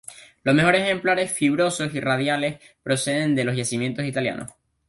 Los mejores ejemplares fibrosos y radiales proceden de los yacimientos italianos.